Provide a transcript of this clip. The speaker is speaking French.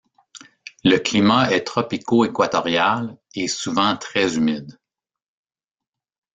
Le climat est tropico-équatorial et souvent très humide.